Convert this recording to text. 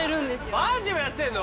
バンジーもやってんの？